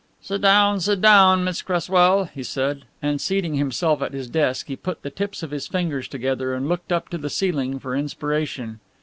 "Sit down, sit down, Miss Cresswell," he said, and seating himself at his desk he put the tips of his fingers together and looked up to the ceiling for inspiration.